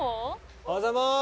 おはようございます。